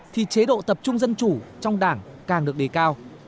thì chế độ tập trung dân chủ trong đảng càng được đề cao